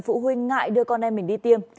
phụ huynh ngại đưa con em mình đi tiêm